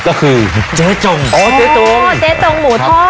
ก็คือเจ๊จงอ๋อเจ๊จงโอ้เจ๊จงหมูทอด